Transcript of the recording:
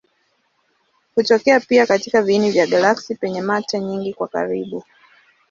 Hutokea pia katika viini vya galaksi penye mata nyingi kwa karibu.